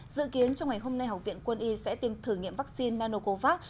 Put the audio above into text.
dự kiến trong ngày hôm nay học viện quân y sẽ tìm thử nghiệm vaccine nanocovax